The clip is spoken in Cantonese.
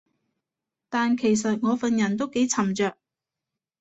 但其實我份人都幾沉着